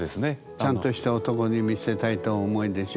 ちゃんとした男に見せたいとお思いでしょ？